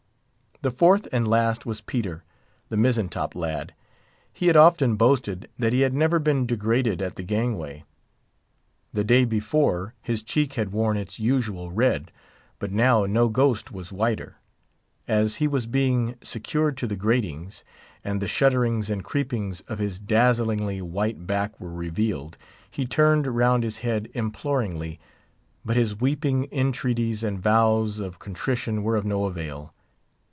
The fourth and last was Peter, the mizzen top lad. He had often boasted that he had never been degraded at the gangway. The day before his cheek had worn its usual red but now no ghost was whiter. As he was being secured to the gratings, and the shudderings and creepings of his dazzlingly white back were revealed, he turned round his head imploringly; but his weeping entreaties and vows of contrition were of no avail.